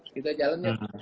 kita jalan ya